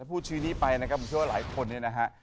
พูดชื่อนี้ไปนะครับผมเชื่อว่าหลายคนเนี่ยนะฮะ